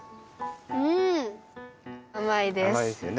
うんあまいです。